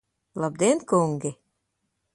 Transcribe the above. Labdien, kungi!